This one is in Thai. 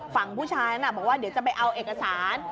ฝั่งผู้ชายนั้นบอกว่าเดี๋ยวจะไปเอาเอกสาร